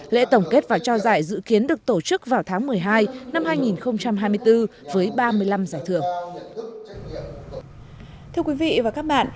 lễ tổng kết và trao giải dự kiến được tổ chức vào tháng một mươi hai năm hai nghìn hai mươi bốn với ba mươi năm giải thưởng